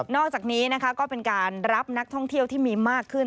อกจากนี้นะคะก็เป็นการรับนักท่องเที่ยวที่มีมากขึ้น